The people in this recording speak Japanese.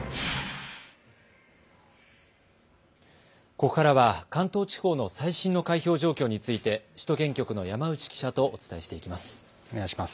ここからは関東地方の最新の開票状況について首都圏局の山内記者とお伝えしていきます。